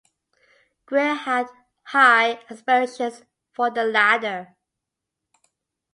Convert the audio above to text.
Grier had high aspirations for "The Ladder".